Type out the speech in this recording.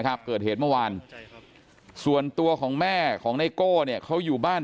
เกิดเหตุเมื่อวานส่วนตัวของแม่ของไนโก้เนี่ยเขาอยู่บ้าน